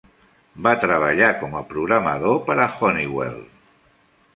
Va treballar com a programador per a Honeywell.